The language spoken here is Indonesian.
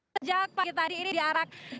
sejak pagi tadi ini diarak